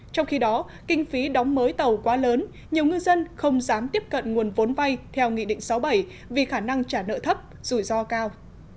trong khi đó kinh phí đóng mới tàu quá lớn nhiều ngư dân không dám tiếp cận nguồn vốn vay theo nghị định sáu bảy vì khả năng trả nợ thấp rủi ro cao